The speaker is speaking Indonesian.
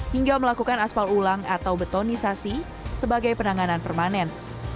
hingga melakukan aspal ulang atau betonisasi sebagai penanganan permanen